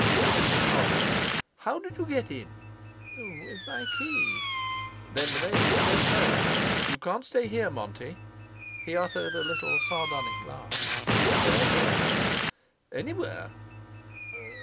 Winifred nodded. "How did you get in?" "With my key." "Then the maids don't know. You can't stay here, Monty." He uttered a little sardonic laugh. "Where then?" "Anywhere."